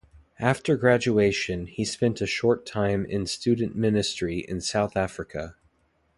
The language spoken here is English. After graduation, he spent a short time in student ministry in South Africa.